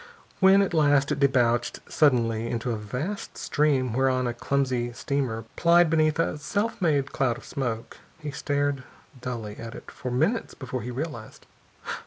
When at last it debouched suddenly into a vast stream whereon a clumsy steamer plied beneath a self made cloud of smoke, he stared dully at it for minutes before he realized.